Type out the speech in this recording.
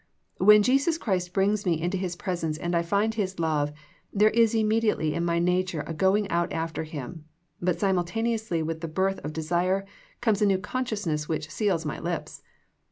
When Jesus Christ brings me into His presence and I find His love, there is immediately in my nature a going out after Him ; but simultaneousl}^ with the birth of desire comes a new consciousness wliich seals ray lips.